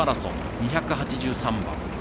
２８３番。